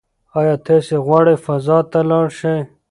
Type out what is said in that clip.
ایا تاسي غواړئ فضا ته لاړ شئ؟